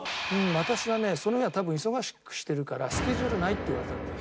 私はねその日は多分忙しくしてるからスケジュールないって言われたんだよね。